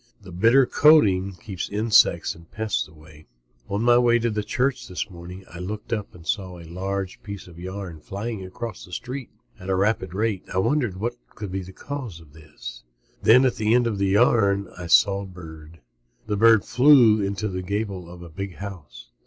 The bitter coating keeps insects and pests away. On my way to church this morning I looked up and saw a long piece of yarn flying across the street at a rapid rate. I wondered what could cause that. Then at the front end of the yarn I saw a bird. The bird flew to the gable of a big house.